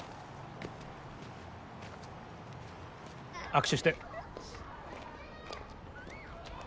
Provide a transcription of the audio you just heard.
握手して。